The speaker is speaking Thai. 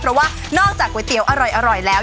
เพราะว่านอกจากก๋วยเตี๋ยวอร่อยแล้ว